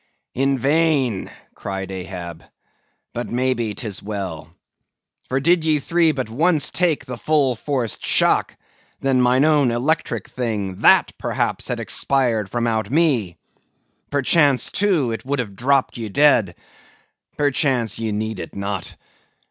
"In vain!" cried Ahab; "but, maybe, 'tis well. For did ye three but once take the full forced shock, then mine own electric thing, that had perhaps expired from out me. Perchance, too, it would have dropped ye dead. Perchance ye need it not.